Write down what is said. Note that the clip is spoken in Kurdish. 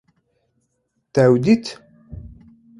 Te ew dît